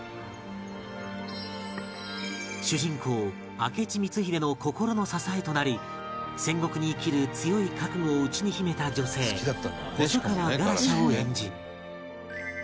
主人公明智光秀の心の支えとなり戦国に生きる強い覚悟を内に秘めた女性細川ガラシャを演じ